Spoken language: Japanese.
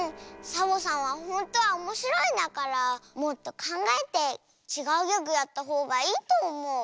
サボさんはほんとはおもしろいんだからもっとかんがえてちがうギャグやったほうがいいとおもう。